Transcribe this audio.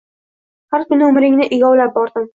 Har kuni umringni egovlab bordim